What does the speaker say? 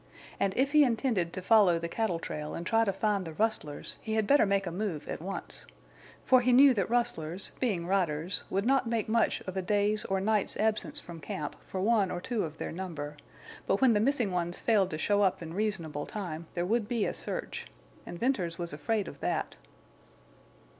And if he intended to follow the cattle trail and try to find the rustlers he had better make a move at once. For he knew that rustlers, being riders, would not make much of a day's or night's absence from camp for one or two of their number; but when the missing ones failed to show up in reasonable time there would be a search. And Venters was afraid of that.